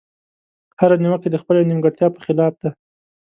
هره نيوکه د خپلې نيمګړتيا په خلاف ده.